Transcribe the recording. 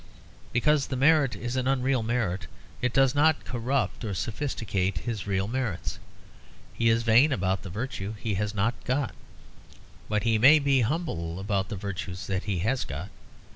Because the merit is an unreal merit, it does not corrupt or sophisticate his real merits. He is vain about the virtue he has not got; but he may be humble about the virtues that he has got.